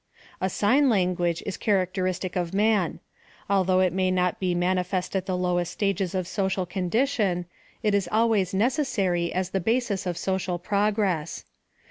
A sign language is characteristic of man. Al though it may not be manifest at the lowest stages of social condition, it is always necessary as the basis of social progress.